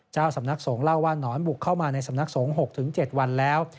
เจ้าสำนักสงฆ์เล่าว่านอนบุกเข้ามาในสำนักสงฆ์๖๗วันแล้ว